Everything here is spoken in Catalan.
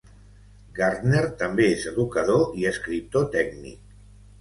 Gardner també és educador i escriptor tècnic.